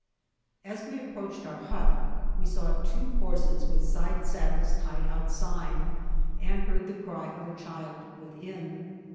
As we approached our hut we saw two horses with side saddles tied outside, and heard the cry of a child within.